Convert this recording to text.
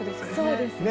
そうですね。